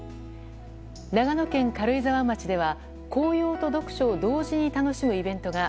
長野県軽井沢町では紅葉と読書を同時に楽しむイベントが。